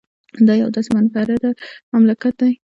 دا یو داسې منفرده مملکت دی